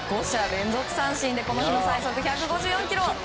５者連続三振でこの日の最速１５４キロ。